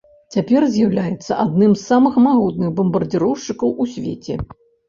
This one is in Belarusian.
Цяпер з'яўляецца адным з самых магутных бамбардзіроўшчыкаў у свеце.